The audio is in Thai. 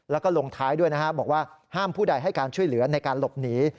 แล้วก็ลงท้ายด้วยนะฮะบอกว่าห้ามผู้ใดให้การช่วยเหลือในการหลบหนี